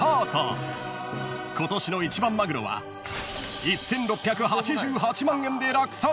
［今年の一番マグロは１，６８８万円で落札］